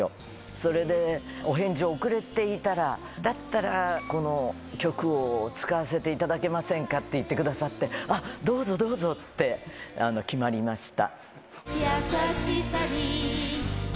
それで、お返事遅れていたら、だったら、この曲を使わせていただけませんかって言ってくださって、あっ、どうぞどうぞ！って、決まりました。